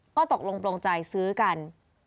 ก็ตกลงใจซื้อกัน